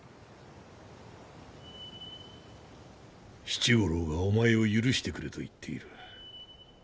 七五郎はお前を許してくれと言っている。